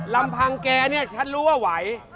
ลำพังแกเนี่ยฉันรู้ว่าไหว